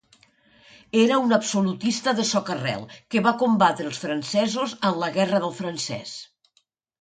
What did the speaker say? Era un absolutista de soca-rel que va combatre als francesos en la Guerra del francès.